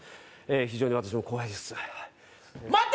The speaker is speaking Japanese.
非常に私も怖いです待って！